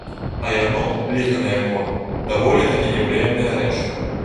А яно, ліха на яго, даволі такі непрыемная рэч.